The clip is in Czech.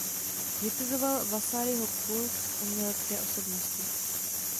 Kritizoval Vasariho „kult umělecké osobnosti“.